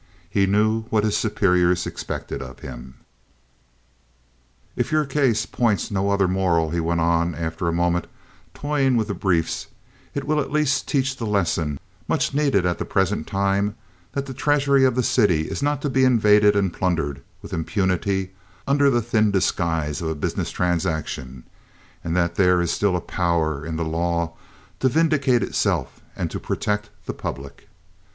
He knew what his superiors expected of him. "If your case points no other moral," he went on, after a moment, toying with the briefs, "it will at least teach the lesson much needed at the present time, that the treasury of the city is not to be invaded and plundered with impunity under the thin disguise of a business transaction, and that there is still a power in the law to vindicate itself and to protect the public.